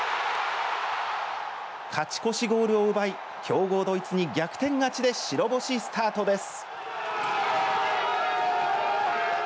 勝ち越しゴールを奪い強豪ドイツに逆転勝ちで白星スタートです。